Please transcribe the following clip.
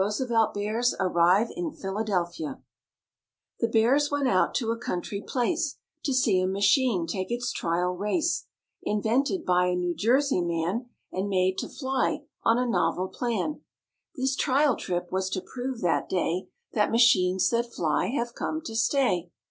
5 • 'w mmm mm mm il The Bears went out to a country place To see a machine take its trial race; Invented by a New Jersey man And made to fly on a novel plan. This trial trip was to prove that day That machines that fly have come to stay.